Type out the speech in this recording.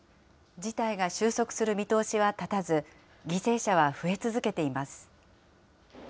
事態が収束する見通しは立たず、犠牲者は増え続けています。